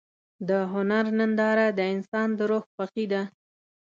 د هنر ننداره د انسان د روح خوښي ده.